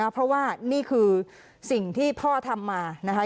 เพราะว่านี่คือสิ่งที่พ่อทำมานะคะ